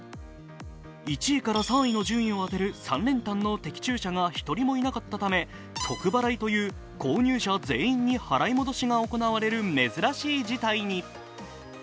１位から３位の順位を当てる３連単の的中者が１人もいなかったため、特払いという払い戻しが行われる珍しい事態に。